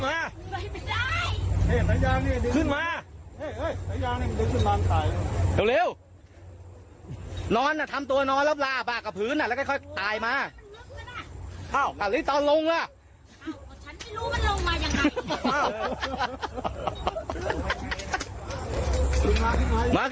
มาแล้วนี่นี่ทำตัวนอนกระพื้นนะบาตะเค่เด็กดึงย่ามา